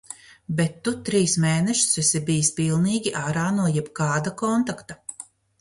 Bet tu trīs mēnešus esi bijis pilnīgi ārā no jebkāda kontakta.